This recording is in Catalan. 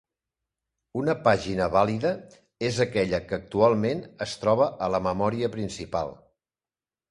Una pàgina vàlida és aquella que actualment es troba a la memòria principal.